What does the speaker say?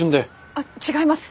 あっ違います！